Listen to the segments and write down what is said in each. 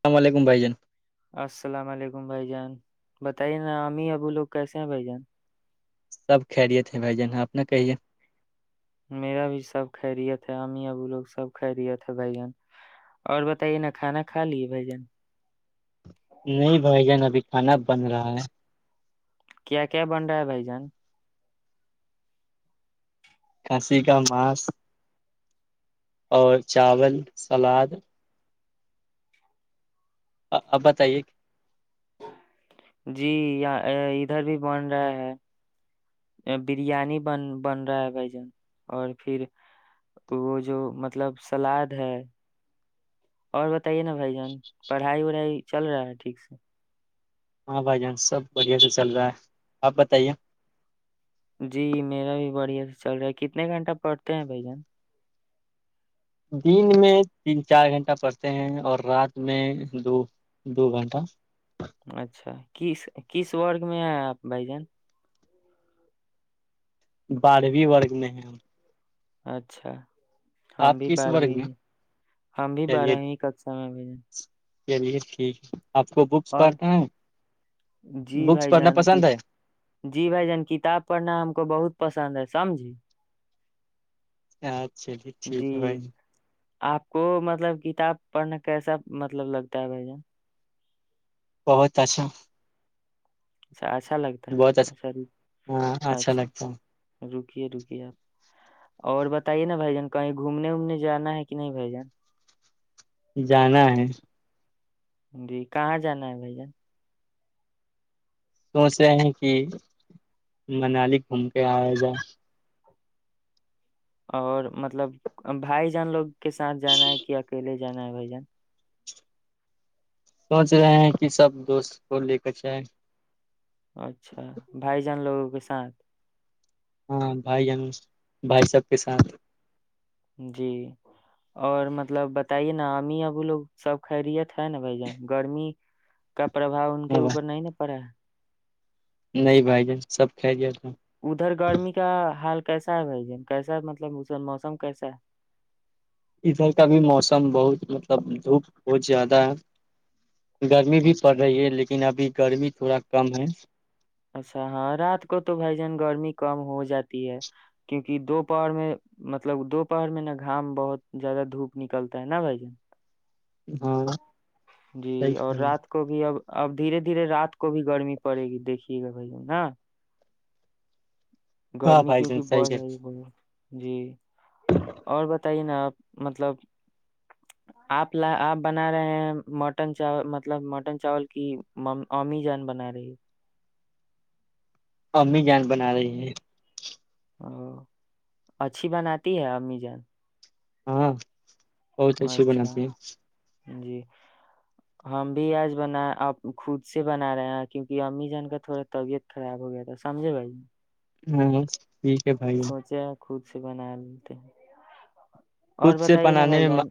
السلام علیکم بھائی جان السلام علیکم بھائی جان بتائیے نا اامی ابو لوگ کیسے ہیں بھائی جان سب خہریے تھے بھائی جان اپنا کہیے میرا بھی سب کھہ رہی تھے امی ابو لوگ سب کھہ رہیے تھے بھ جن اور بتائیے نا کھانا کھا لیے بھ جن نہیں بھائی جان ابھی کھانا بن رہا ہے کیا کیا بن رہا ہے بھائی جان کھانسی کا مانس اور چاول سلاد اب بتائیے کہ جی ادھر بھی بن رہا ہے بریانی بن بن رہا ہے بھجان اور پھر وہ جو مطلب سلاد ہے اور ب ہے نا بھ جان پڑھائی وڑھائی چل رہا ہے ٹھیک سے ہاں بھائی جان سب بڑھیا سے چل رہا ہے آپ بتائیے جی میرا بھی بڑھیا سے چل رہا ہے کتنے گھنٹہ پڑھتے ہیں بھ جان دن میں تین چار گھنٹہ پڑھتے ہیں اور رات میں دو دو گھنٹہ اچھا کس کس وورگ میں ہیں آپ بھائی جان بارہویں ورگ میں ہیں ہم اچھا ہم بھی کس ورگ میں بارہویں ہم بھی چلیے بارہویں کچ سا میں بھی چلیے ٹھیک ہے آپ کو بکس اور پڑھنا ہے جی بکس بھائی پڑھنا جان کی پسند ہے جی بھائی جان کتاب پڑھنا ہم کو بہت پسند ہے سمجھی ا جی آپ کو مطلب کتاب پڑھنے کیسا مطلب لگتا ہے بھائی جن بہت اچھا اچا اچھا لگتا ہے بہت ہاں اچھا اچھا لگتا ہے رکیے رکیے آپ اور بتائیے نا بھ جان کہیں گھومنے وومنے جانا ہے کہ نہیں بھائی جان جانا ہے جی کہاں جانا ہے بھائی جان سوچ رہے ہیں کہ منالی گھوم کے آیا جائے اور مطلب بھائی جان لوگ کے ساتھ جانا ہے کہ اکیلے جانا ہے بھائی جان سوچ رہے ہیں کہ سب دوست کو لے کر جیں اچھا بھائی جان لوگ ا کے سات ہاں بھائی جن بھائی سب کے ساتھ جی اور مطلب بتائیے نا امی ابو لوگ سب خیریت ہے نا بھائی جان گرمی کا پرباؤ ان کے ہاں اوپر نہیں ن پڑا ہے نہیں بھائی جان سب کھہ دیا تھا ادھر گرمی کا حال کیسا ہے بھائی ج کیسا مطلب اس موسم کیسا ہے ادھر کا بھی موسم بہت مطلب دھوپ بہت زیادہ ہے گرمی بھی پڑ اچھا رہی ہے لیکن ابھی گرمی تھوڑا کم ہے اچھا ہاں رات کو تو بھائی جان گرمی کم ہو جاتی ہے کیونکہ دوپہر میں مطلب دوپہر میں نا گھام بہت زیادہ دھوپ نکلتا ہے نا بھ جن ہاں جی اور صحیح رات کو بھی اب اب دھیرے دھیرے رات کو بھی گرمی پڑے گی دیکھیے گا بھائی نا ہاں گرمی بھائی جان کیوںکہ صحیح بڑھ رہی ہے ب جی اور بتائیے نا آپ مطلب آپ آپ بنا رہے ہیں مٹن چاول مطلب مٹن چاول کی امی جان بنا رہی ہے امی جان بنا رہی ہیں ا اچھی بناتی ہے امی جان ہاں [unintelligible] بہت اچھے اچھا بناتے ہیں جی ہم بھی آج بنا خود سے بنا رہے ہیں کیونکہ امی جان کا تھوڑا طبیعت خراب ہو گیا تھا سمجھے بھائی ہوں [unintelligible] تو سوچے خود سے بنا لیتے ہیں اور خود سے بتائیے نا پنانے بھائی میں جان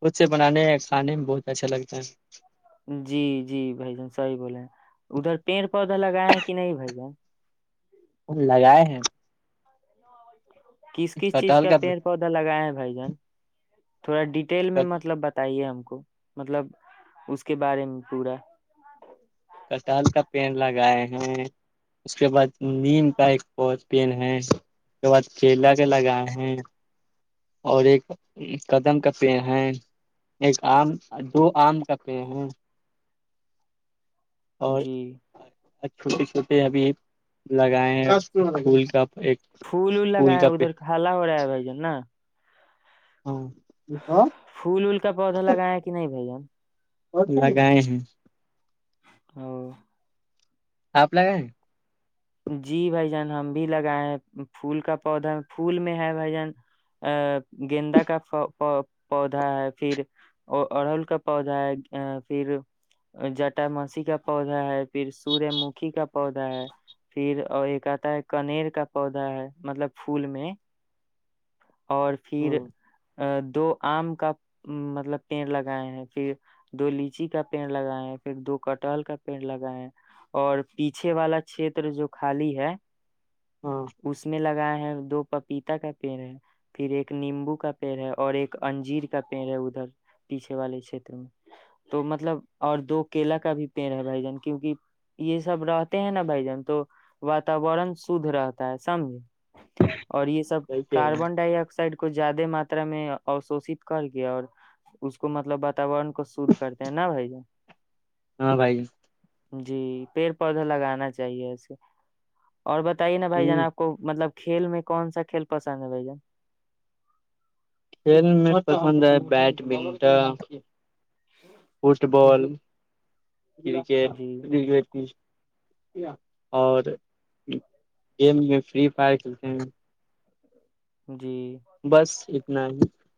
خ سے بنانے کھانے میں بہت اچھا لگتا ہے جی جی بھائی جان صحیح بولے ہیں ادھر پیڑ پودا لگائے ہیں کہ نہیں بھائی جن اور لگائے ہیں کس کس چیز کا پیڑ پودا لگایا ہیں بھائی جان تھوڑا ڈیٹیل میں مطلب بتائیے ہم کو مطلب اس کے بارے میں پورا کٹال کا پین لگائے ہیں اس کے بعد نیم کا ایک پین ہے اس کے بعد کیلا کے لگائے ہیں اور ایک قدم کا پڑ ہے ایک آم دو آم کا پےڑ ہے اور جی چھوٹی چھوٹی پ ابھی لگائے ہیں گول کپ پھول وول لگائے ادھر کھالا ہو رہا ہے بھائی جان نا ہاں ج کو اس کا پودا لگایا کہ نہیں بھ لگائے ہیں ہ [unintelligible] [inaudible] آپ لگائیں جی بھائی جان ہم بھی لگائے ہیں پھول کا پودا پھول میں ہے بھائی جان ا گیندا کا پودا ہے پھر اڑل کا پودا ہے پھر جٹ مسی کا پودا ہے پھر سور مکھی کا پودا ہے پھر اور ایک آتا ہے کنیر کا پودا ہے مطلب پھول میں اور ہاں پھر دو آم کا مطلب پیڑ لگائے ہیں پھر دو لیچی کا پیڑ لگائے ہیں پھر دو کٹہل کا پیڑ لگائے ہیں اور پیچھے والا چھیتر جو خالی ہے ہاں اس میں لگا دو پپیتا کا پڑ ہے پھر ایک نیمبو کا پیڑ ہے اور ایک انجیر کا پیڑ ہے ادھر پیچھے والے چھیت میں تو مطلب اور دو کیلا کا بھی پیڑ ہے بھائی جان کیونکہ یہ سب رہتے ہیں نا بھائی جان تو واتورن شھ رہتا ہے سمجھے اور یہ سب صحیح کہہ رہے ہیں کاربن ڈکڈ کو زیادہ ماتا میں اشوشت کر کے اور اس کو مطلب واتورن کو شھ کرتے ہیں ن بھائی ہاں بھائی جی پیڑ پودا لگانا چاہیے ایے اور بتائیے نا ہ بھائی ج نا آپ کو مطلب کھیل میں کون سا کھیل پسند ہے بھ جان کھیل م پسند ہے بیڈمنٹن فٹ بال جی [unintelligible] اور گیم میں فری فائر کھیلتے ہیں جی بس نہیں [unintelligible]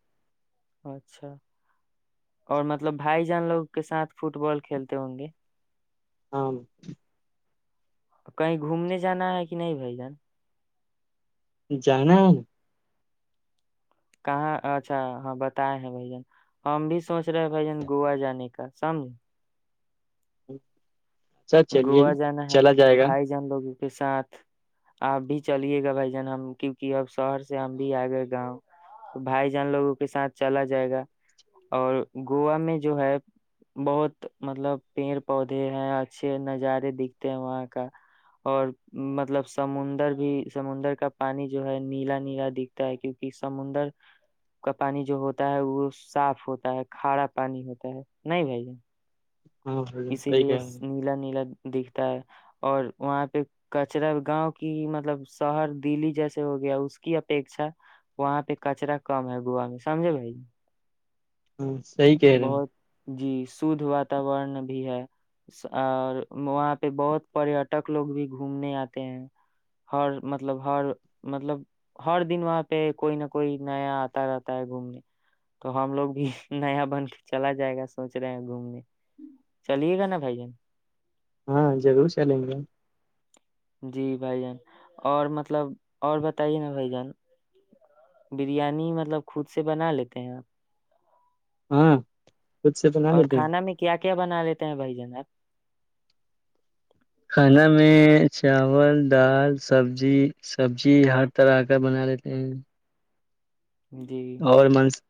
اچھا اور مطلب بھائی جان لوگ کے ساتھ فٹ بال کھیلتے ہوں گے ہاں کہیں گھومنے جانا ہے کہ نہیں بھائی جان جا [unintelligible] کہاں اچھا ہاں بتائے ہیں بھ جن ہم بھی سوچ رہے ہیں بھ جن گووا جانے کا سمجھ اچھا چلیے گوو جانانا ہے چلا جائے گا بھائی جان لگ کے ساتھ آپ بھی چلیے گا بھائی جان ہم کیونکہ اب شہر سے ہم بھی آئے گئے گاؤں بھائی جان لوگوں کے ساتھ چلا جائے گا اور گووا میں جو ہے بہت مطلب پیڑ پودے ہیں [unintelligible] اچھے نظارے دکھتے ہیں وہاں کا اور مطلب سمندر بھی سمندر کا پانی جو ہے نیلا نیلا دکھتا ہے کیونکہ سمندر کا پانی جو ہوتا ہے وہ صاف ہوتا ہے کھارا پانی ہوتا ہے نہیں بھائی ج ہاں اسی صحیح لیے کہہ رہے ہیں، نیلا نیلا [unintelligible] دکھتا ہے اور وہاں پہ کچرا گاؤں کی مطلب شہر دلی جیسے ہو گیا اس کی اپیکھا وہاں پہ کچرا کم ہے گووا میں سمجھے بھائی ہاں صحی کہہ رہے ہ بہت جی شھ واتورن [unintelligible] بھی ہے اور وہاں پہ بہت پٹک لوگ بھی گھومنے آتے ہیں ہر مطلب ہر مطلب ہر دن وہاں پہ کوئی نہ کوئی نیا آتا رہتا ہے گھومنے تو ہم لوگ بھی نیا بن کے چلا جائے گا سوچ رہے ہیں گھومنے چلیے گا نا بھائی جان ہاں جرور چلیں گے جی بھائی جان اور مطلب اور بتائیے نا بھائی جان بریانی مطلب خود سے بنا لیتے ہیں آپ ہاں خود سے بنا اور لیتے ہیں کھانا میں کیا کیا بنا لیتے کیا بھائی جانب کھانا میں چاول دال سبزی سبزی ہر طرح کا بنا لیتے ہیں جی اور من [unintelligible]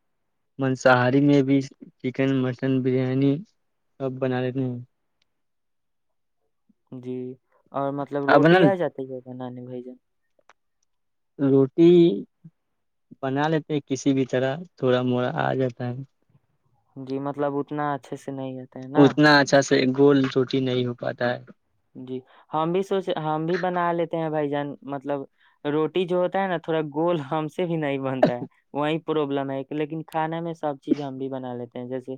مانساہاری میں بھی چکن مٹن بریانی اب بنا لیتے ہیں جی اور مطلب آپ بنا روٹی آ لیتے؟ جاتی ہے نانی بھ جان [unintelligible] روٹی بنا لیتے ہیں کسی بھی طرح تھوڑا موڑا آ جاتا ہے جی مطلب اتنا اچھے سے نہیں رہتے ہیں نا اتنا اچھا گول چوٹی نہیں ہو پاتا ہے جی ہم بھی سوچ ہم بھی بنا لیتے ہیں بھائی جان مطلب روٹی جو ہوتا ہے نا تھوڑا گول ہم سے بھی نہیں بنتا ہے وہیں پر پروابلم ہے لیکن کھانا میں سب چیز ہم بھی بنا لیتے ہیں جیسے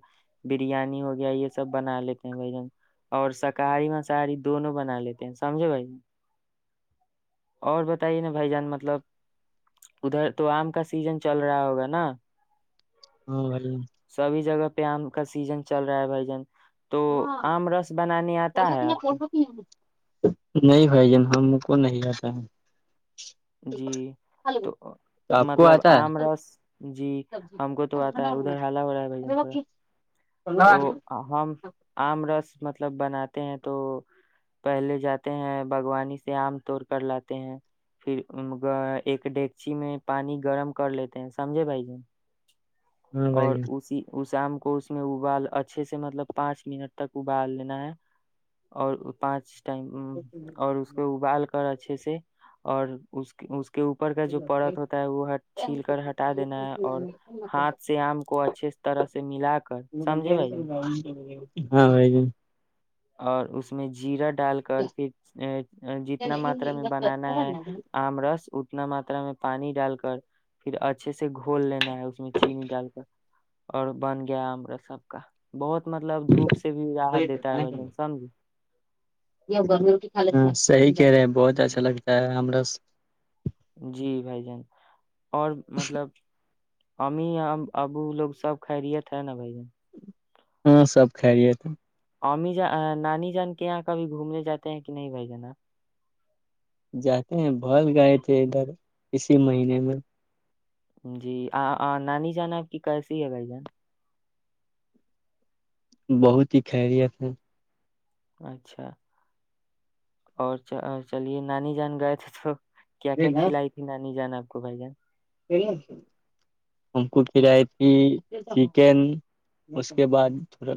بریانی ہو گیا یہ سب بنا لیتے ہیں بھ ج اور شاکاہاری میں سااری دونوں بنا لیتے ہیں سمجھے بھائی اور بتائیے نا بھائی جان مطلب ادھر تو آم کا سیزن چل رہا ہوگا نا ہ ب پیام کا سیزن چل رہا ہے بھائی جان تو آم رس بنانے آتا ہے آپ بول کو رہ ہو نہیں بھائی جان ہم کو نہیں آتا ہے جی تو تو آپ کو مطلب آتا آم ہے رس جی ہم کو تو آتا ہے ادھر حال ہو رہا ہے بھ جان تھوڑا تو ہاں ہمم آر مطلب بناتے ہیں تو پہلے جاتے ہیں باغوانی سے آم توڑ کر لاتے ہیں پھر ایک ڈگچی میں پانی گرم کر لیتے ہیں سمجھے بھائی ج اور بھائی اسی اس شام کو میں ابال اچھے سے مطلب پانچ منٹ تک ابال لینا ہے اور پانچ ٹم اور اس کو ابال کر اچھے سے اور اس اس کے اوپر کا جو پرت ہوتا ہے وہ چھیل کر ہٹا دینا ہے اور ہاتھ سے آم کو اچھے طرح سے ملا کر سمجھے بھائیے ہاں بھی اور اس میں جیرا ڈال کر پھر جتنا ماترا میں بنانا ہے آم رس اتنا ماترا میں پانی ڈال کر پھر اچھے سے گھول لینا ہے اس میں چینی ڈال کر اور بن گیار سب کا بہت مطلب دھوپ سے بھی راحت دیتا ہے ب ہاں صحیح رہے بہت اچھا لگتا ہے ہم [inaudible] جی بھائی جان اور مطلب ہمیں ابو لوگ سب خیریت ہے نا بھائی جن ہاں سب کھ رہیے تھ امی ج نانی جان کے یہاں کبھی گھومنے جاتے ہیں کہ نہیں بھائی جناا جاتے ہیں بھر گائے تھے ادھر اسی مہینے میں جی نانی جان آپ کی کیسی ہے بھائی جان بہت ہی خیریت ہے اچھا اور چلیے نانی جان گئے تھے تو کیا کیا کھلائی تھی ن نہیں جاناب آ کو بھ ج [inaudible] ہم کو کائی تھی چکن اس کے بعد تھوڑا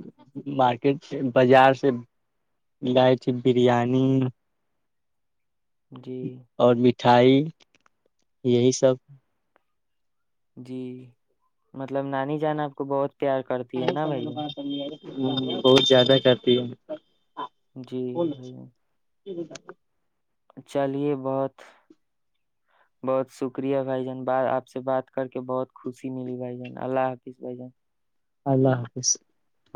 مارکیٹ سے بازار سے گائی تھی بریانی جی اور مٹھائی یہی سب جی مطلب نانی جانا آپ کو بہت تیار کرتی ہے نا بھائی بہت زیادہ کرتی ہے جی بھائی جٹھ [inaudible] چلیے بہت بہت شکریہ بھائی جان آپ سے بات کر کے بہت خوشی ملی بھائی جان اللہ حافظ بھائی جان اللہ حافظ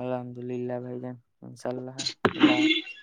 الحمد للہ بھائی جان انشاء اللہ اللہ حافظ